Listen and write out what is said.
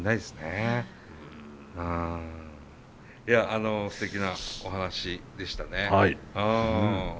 いやあのすてきなお話でしたね。